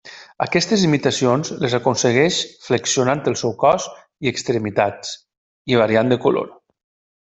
Aquestes imitacions les aconsegueix flexionant el seu cos i extremitats, i variant de color.